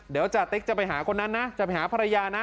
เดี๋ยวจติ๊กจะไปหาคนนั้นนะจะไปหาภรรยานะ